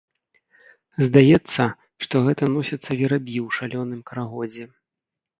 Здаецца, што гэта носяцца вераб'і ў шалёным карагодзе.